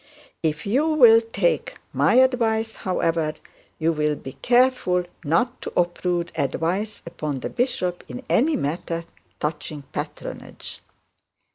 If you will take my advice, however, you will be careful not to obtrude advice upon the bishop in any matter concerning patronage.